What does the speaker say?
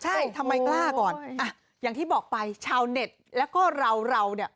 ใช่ทำไมกล้าก่อนอ่ะอย่างที่บอกไปชาวเน็ตแล้วก็เราเราเนี่ย